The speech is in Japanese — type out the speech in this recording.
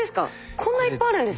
こんないっぱいあるんですか？